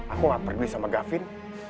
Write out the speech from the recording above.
aku gak peduli sama gavin